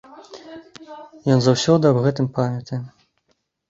Ён заўсёды аб гэтым памятае.